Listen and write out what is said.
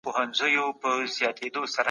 که ستونزي حل سي بازار ښه کېږي.